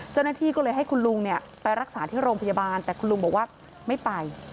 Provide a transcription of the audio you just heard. เจ้าหน้าที่ก็เลยให้คุณลุงไปรักษาที่โรงพยาบาลแต่คุณลุงบอกว่าไม่ไป